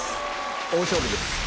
大勝負です。